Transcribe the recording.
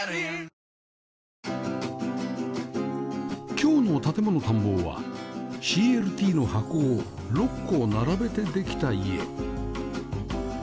今日の『建もの探訪』は ＣＬＴ の箱を６個並べてできた家